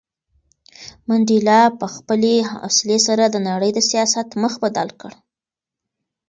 منډېلا په خپلې حوصلې سره د نړۍ د سیاست مخ بدل کړ.